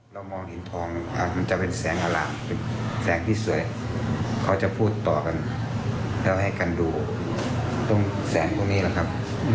เรามองเห็นทองมันจะเป็นแสงอล่ามเป็นแสงที่สวยเขาจะพูดต่อกันแล้วให้กันดูตรงแสงพวกนี้แหละครับ